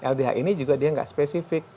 ldh ini juga dia nggak spesifik